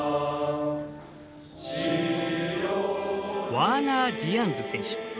ワーナー・ディアンズ選手。